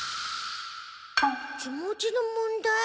気持ちの問題？